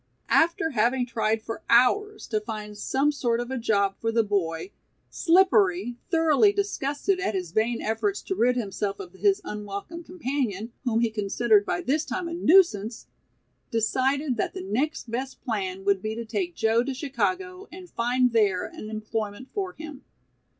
After having tried for hours to find some sort of a job for the boy, Slippery, thoroughly disgusted at his vain efforts to rid himself of his unwelcome companion, whom he considered by this time a nuisance, decided that the next best plan would be to take Joe to Chicago and find there a employment for him.